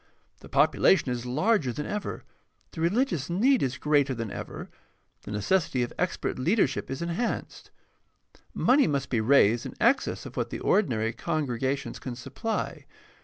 The population is larger than ever, the religious need is greater than ever, the necessity of expert leadership is enhanced. Money must be raised in excess of what the ordinary congregations can supply.